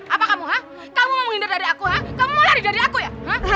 apa kamu kamu mau menghindar dari aku kamu mau lari dari aku ya